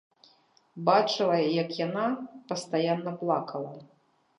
Бачыла як яна пастаянна плакала.